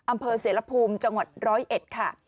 อำเภอเสรภูมิจังหวัดร้อยเอ็ดค่ะ